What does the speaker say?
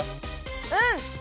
うん！